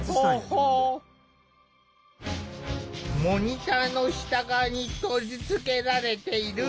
モニターの下側に取り付けられている